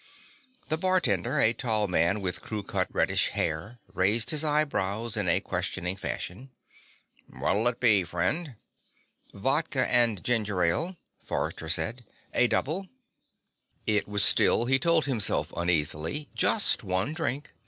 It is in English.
The bartender, a tall man with crew cut reddish hair, raised his eyebrows in a questioning fashion. "What'll it be, friend?" "Vodka and ginger ale," Forrester said. "A double." It was still, he told himself uneasily, just one drink.